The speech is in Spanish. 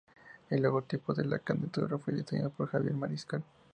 El logotipo de la candidatura fue diseñado por Javier Mariscal.